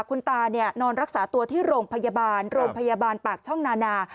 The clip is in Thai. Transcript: คุณตานอนรักษาตัวที่โรงพยาบาลโรงพยาบาลปากช่องนานา